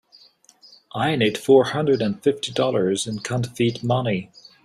I need four hundred and fifty dollars in counterfeit money.